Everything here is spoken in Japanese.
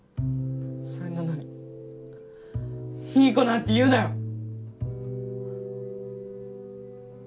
それなのにいい子なんて言うなよ！